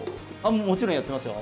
もちろんやってますよ。